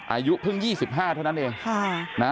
อายุเพิ่งยี่สิบห้าเท่านั้นเองค่ะ